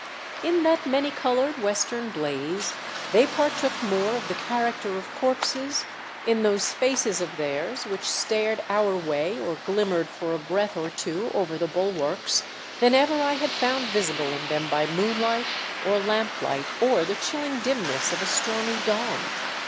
In that mani coloured western blaze they partook more of the character of corpses, in those faces of theirs, which stared our way or glimmered for a breath or two over the bulwarks, than ever I had found visible in them by moonlight or lamplight or the chilling dimness of a stormy dawn.